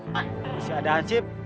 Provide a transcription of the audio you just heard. masih ada hasyib